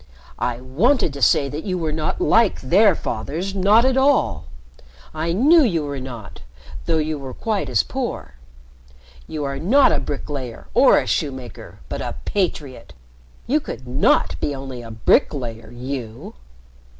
"I wanted to say that you were not like their fathers, not at all. I knew you were not, though you were quite as poor. You are not a bricklayer or a shoemaker, but a patriot you could not be only a bricklayer you!"